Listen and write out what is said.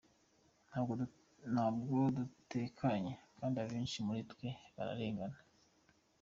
Ntabwo dutekanye kandi abenshi muri twe bararengana.